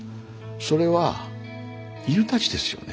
それは犬たちですよね。